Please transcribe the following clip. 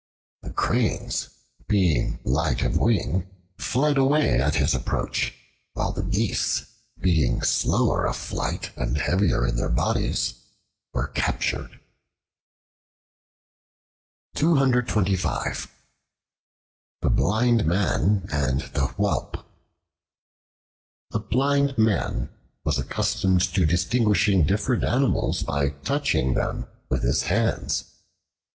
The Cranes, being light of wing, fled away at his approach; while the Geese, being slower of flight and heavier in their bodies, were captured. The Blind Man and the Whelp A BLIND MAN was accustomed to distinguishing different animals by touching them with his hands.